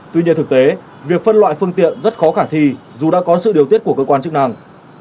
tuy nhiên thực tế việc phân loại phương tiện rất khó khả thi dù đã có sự điều tiết của cơ quan chức năng